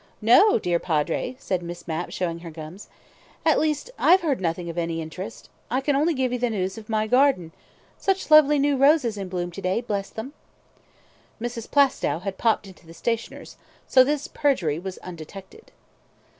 "No, dear Padre," said Miss Mapp, showing her gums. "At least, I've heard nothing of any interest. I can only give you the news of my garden. Such lovely new roses in bloom to day, bless them!" Mrs. Plaistow had popped into the stationer's, so this perjury was undetected.